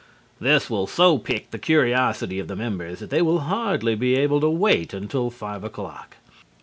This will so pique the curiosity of the members that they will hardly be able to wait until five o'clock.